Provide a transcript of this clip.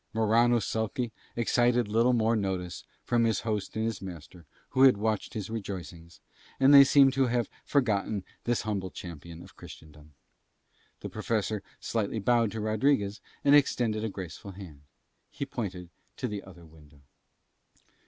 Morano sulky excited little more notice from his host and his master who had watched his rejoicings, and they seem to have forgotten this humble champion of Christendom. The Professor slightly bowed to Rodriguez and extended a graceful hand. He pointed to the other window.